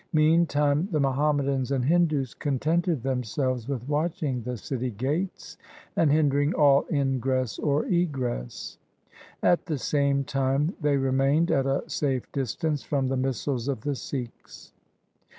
Meantime the Muhammadans and Hindus contented themselves with watching the city gates and hindering all ingress or egress. At the same time they remained at a safe distance from the missiles of the Sikhs.